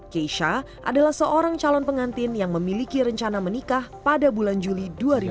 keisha adalah seorang calon pengantin yang memiliki rencana menikah pada bulan juli dua ribu dua puluh